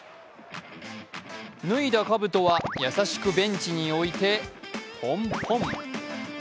脱いだかぶとは優しくベンチに置いてポンポン。